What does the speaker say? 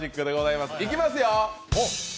いきますよ！